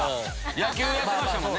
野球やってましたもんね。